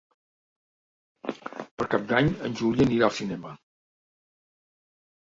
Per Cap d'Any en Juli anirà al cinema.